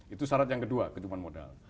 itu syarat yang kedua kecukupan modal